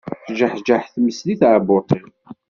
Tejjeḥjeḥ tmes di tɛebbuḍt-iw.